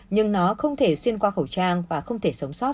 nhưng nó không thể xuyên qua khẩu trang và không thể sống sót sau khi rửa tay